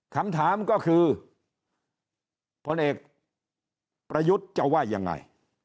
คำถามก็คือพลเอกประยุทธ์จะว่ายังไง